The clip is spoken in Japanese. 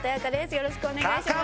よろしくお願いします。